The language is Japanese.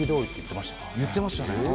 言ってましたね。